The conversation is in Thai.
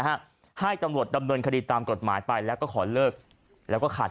ให้ตำรวจดำเนินคดีตามกฎหมายไปแล้วก็ขอเลิกแล้วก็ขาด